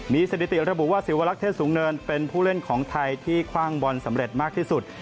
มีสถิติระบุว่าสิวลักษ์เทศสูงเนินเป็นผู้เล่นของไทยที่คว่างบอลสำเร็จมากที่สุด